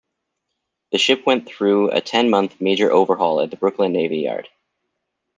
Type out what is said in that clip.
The ship went through a ten-month major overhaul at the Brooklyn Navy Yard.